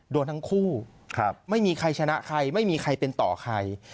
โดนทั้งคู่ไม่มีใครชนะใครไม่มีใครเป็นต่อใคร